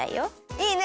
いいね！